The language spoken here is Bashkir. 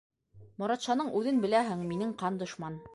Моратшаның үҙен беләһең, минең ҡан дошман.